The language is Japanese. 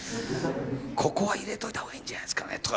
「ここは入れといた方がいいんじゃないですかね」とか。